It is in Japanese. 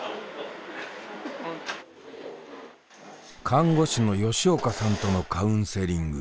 看護師の吉岡さんとのカウンセリング。